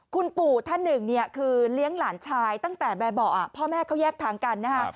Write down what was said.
คุณปู่ท่านหนึ่งเนี่ยคือเลี้ยงหลานชายตั้งแต่แบบเบาะพ่อแม่เขาแยกทางกันนะฮะ